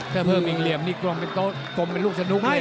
ถ้าเพิ่มอีกเหลี่ยมนี่กลมเป็นลูกสนุกเลยนะ